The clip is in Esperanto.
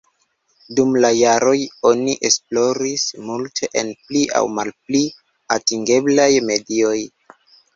Dum la jaroj oni esploris multe en pli aŭ malpli atingeblaj medioj.